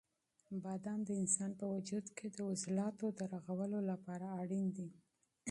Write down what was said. بادام د انسان په وجود کې د عضلاتو د رغولو لپاره اړین دي.